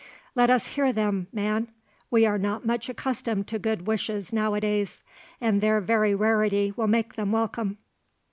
"Let us hear them, man; we are not much accustomed to good wishes now a days; and their very rarity will make them welcome."